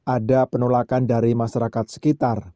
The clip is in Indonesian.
ada penolakan dari masyarakat sekitar